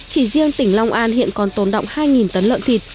chỉ riêng tỉnh long an hiện còn tồn động hai tấn lợn thịt